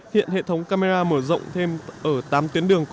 hiện hệ thống camera mở rộng thêm ở tám tuyến đường